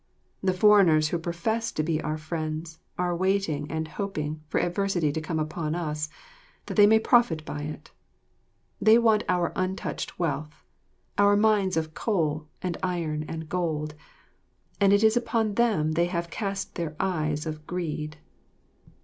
The foreigners who profess to be our friends are waiting and hoping for adversity to come upon us, that they may profit by it. They want our untouched wealth, our mines of coal and iron and gold, and it is upon them they have cast their eyes of greed.